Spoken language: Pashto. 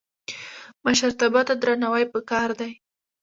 مشرتابه ته درناوی پکار دی